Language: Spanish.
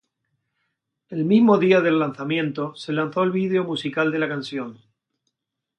El mismo día del lanzamiento, se lanzó el vídeo musical de la canción.